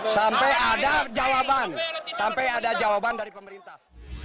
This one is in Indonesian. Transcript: sampai ada jawaban sampai ada jawaban dari pemerintah